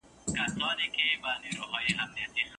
پلار زوی ته خبرې کوي.